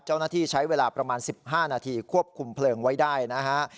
เจ้าหน้าที่ใช้เวลาประมาณ๑๕นาทีควบคุมเพลิงไว้ได้นะฮะ